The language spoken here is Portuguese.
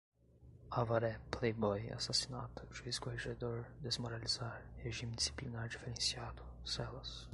Avaré, Playboy, assassinato, juiz-corregedor, desmoralizar, regime disciplinar diferenciado, celas